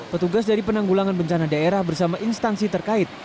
petugas dari penanggulangan bencana daerah bersama instansi terkait